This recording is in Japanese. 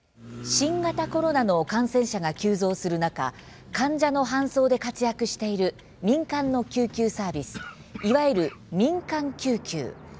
新型コロナの感染者が急増する中、患者の搬送で活躍している民間の救急サービスいわゆる民間救急。